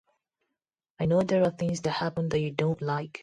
I know there are things that happen that you don't like.